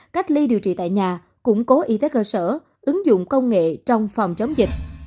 cách ly điều trị tại nhà củng cố y tế cơ sở ứng dụng công nghệ trong phòng chống dịch